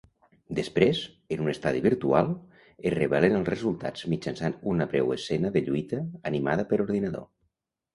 Després, en un estadi virtual, es revelen els resultats mitjançant una breu escena de lluita animada per ordinador.